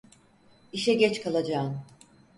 İşe geç kalacağım.